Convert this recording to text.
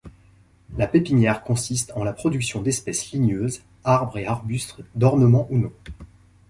La pépinière consiste en la production d'espèces ligneuses, arbres et arbustes d'ornement ou non.